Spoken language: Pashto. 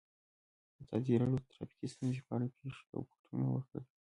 ازادي راډیو د ټرافیکي ستونزې په اړه د پېښو رپوټونه ورکړي.